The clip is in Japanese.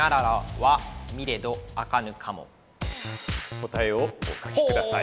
答えをお書きください。